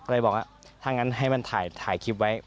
ก็เลยบอกว่าถ้างั้นให้มันถ่ายคลิปไว้